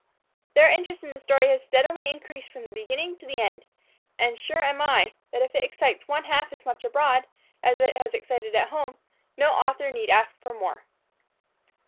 Their interest in the story has steadily increased from the beginning to the end; and sure am I, that if it excites one half as much abroad, as it has excited at home, no author need ask for more.